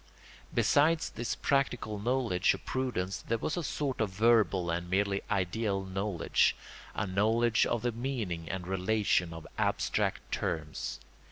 Besides this practical knowledge or prudence there was a sort of verbal and merely ideal knowledge, a knowledge of the meaning and relation of abstract terms.